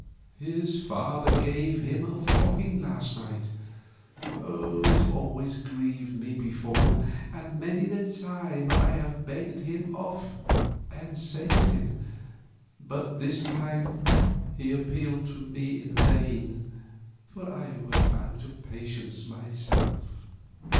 His father gave him a flogging last night. It always grieved me before, and many's the time I have begged him off and saved him, but this time he appealed to me in vain, for I was out of patience myself."